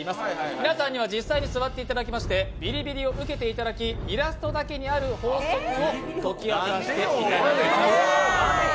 皆さんには実際に座っていただきましてビリビリを受けていただきイラストだけにある法則を解き明かしていただきます。